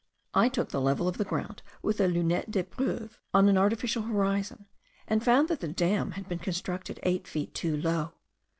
I took the level of the ground with a lunette d'epreuve, on an artificial horizon, and found, that the dam had been constructed eight feet too low.